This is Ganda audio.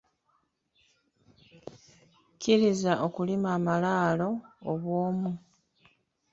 Kizira okulima amalaalo obwomu.